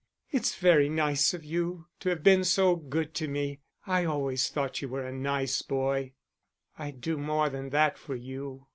"It's very nice of you to have been so good to me. I always thought you were a nice boy." "I'd do more than that for you."